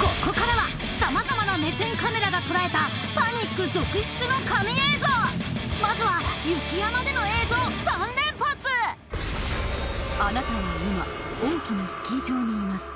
ここからは様々な目線カメラが捉えたパニック続出の神映像まずは雪山での映像３連発あなたは今大きなスキー場にいます